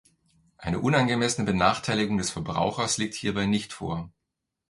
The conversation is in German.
Eine unangemessene Benachteiligung des Verbrauchers liegt hierbei nicht vor.